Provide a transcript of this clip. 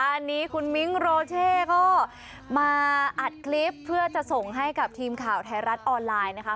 อันนี้คุณมิ้งโรเช่ก็มาอัดคลิปเพื่อจะส่งให้กับทีมข่าวไทยรัฐออนไลน์นะคะ